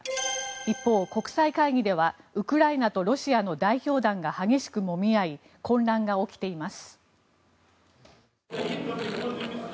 一方、国際会議ではウクライナとロシアの代表団が激しくもみ合い混乱が起きています。